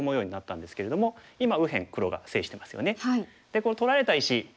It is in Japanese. でこの取られた石。